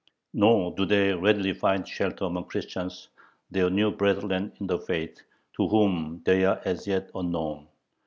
Nor do they readily find shelter among Christians, their new brethren in the faith, to whom they are as yet unknown....